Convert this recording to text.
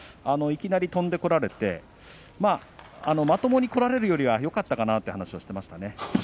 いきなり飛んでこられてまともにこられるよりはよかったかなというふうに話していました。